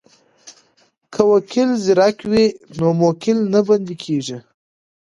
که وکیل زیرک وي نو موکل نه بندی کیږي.